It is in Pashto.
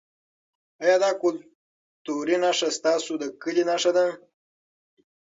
ایا دا کلتوري نښه ستاسو د کلي نښه ده؟